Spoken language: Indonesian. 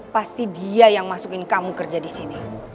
pasti dia yang masukin kamu kerja disini